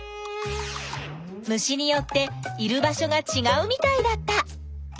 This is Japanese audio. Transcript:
虫によっている場所がちがうみたいだった。